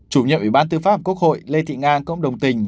chủ nhiệm ủy ban tư pháp quốc hội lê thị nga cũng đồng tình